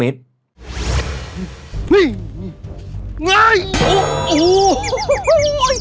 เคยช่วยแม่เข้าขวดที่นั่น